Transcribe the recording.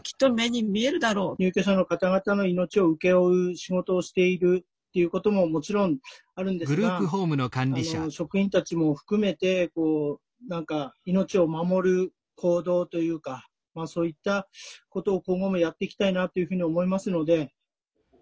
入居者の方々の命を請け負う仕事をしているっていうことももちろんあるんですが職員たちも含めて何か命を守る行動というかまあそういったことを今後もやっていきたいなっていうふうに思いますので。